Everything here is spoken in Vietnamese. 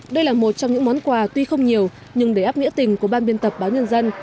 đây là một trong những món quà tuy không nhiều nhưng để áp nghĩa tình của ban biên tập báo nhân dân